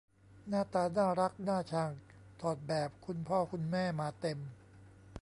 หน้าตาน่ารักน่าชังถอดแบบคุณพ่อคุณแม่มาเต็ม